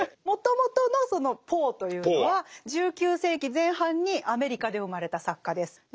もともとのそのポーというのは１９世紀前半にアメリカで生まれた作家です。